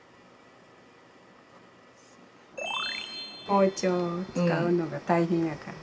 包丁を使うのが大変やから。